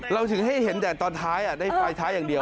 ถึงให้เห็นแต่ตอนท้ายได้ไฟท้ายอย่างเดียว